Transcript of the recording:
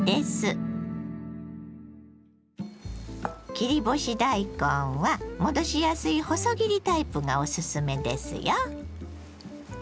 切り干し大根は戻しやすい細切りタイプがおすすめですよ。